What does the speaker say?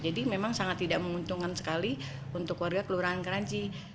jadi memang sangat tidak menguntungkan sekali untuk warga keluaran kranji